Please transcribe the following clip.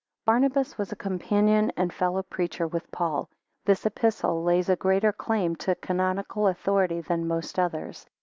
[Barnabas was a companion and fellow preacher with Paul. This Epistle lays a greater claim to canonical authority than most others.